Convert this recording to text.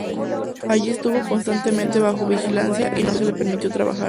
Allí estuvo constantemente bajo vigilancia y no se le permitió trabajar.